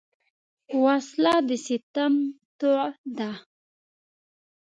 وسله د ستم توغ ده